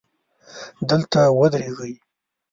دلته ودرېږئ